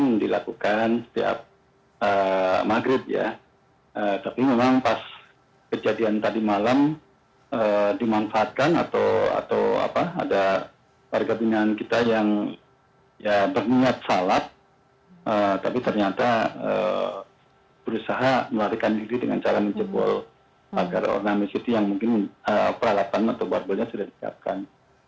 ini dilakukan setiap maghrib ya tapi memang pas kejadian tadi malam dimanfaatkan atau ada warga binaan kita yang berminat sholat tapi ternyata berusaha melarikan diri dengan cara menjebol agar orang orang di situ yang mungkin peralatan atau barbelnya sudah dikepkan